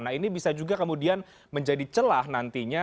nah ini bisa juga kemudian menjadi celah nantinya